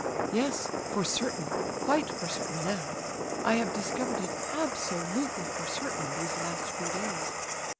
"Yes, for certain—quite for certain, now! I have discovered it absolutely for certain, these last few days."